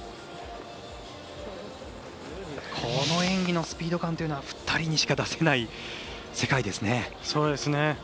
この演技のスピード感というのは２人にしか出せない世界ですね。